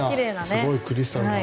すごいクリスタルの。